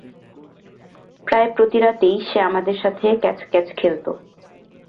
প্রায় প্রতি রাতেই সে আমাদের সাথে ক্যাচ-ক্যাচ খেলতো।